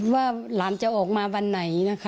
ว่าหลานจะออกมาวันไหนนะคะ